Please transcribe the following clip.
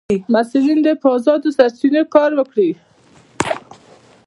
محصلین دي په ازادو سرچینو کار وکړي.